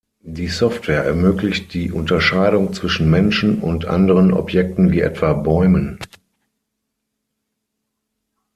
Die Software ermöglicht die Unterscheidung zwischen Menschen und anderen Objekten wie etwa Bäumen.